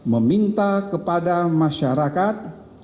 lima meminta kepada masyarakat